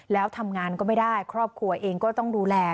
แล้วทำงานก็ไม่ได้ครอบครัวเองก็ต้องดูแล